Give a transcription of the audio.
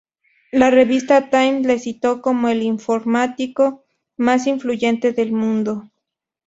La revista Time le citó como el informático más influyente del mundo.